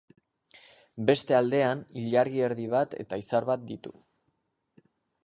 Beste aldean, ilargi erdi bat eta izar bat ditu.